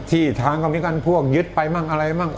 ที่ทางคอมเตอร์การพวกยึดไปอะไรบ้าง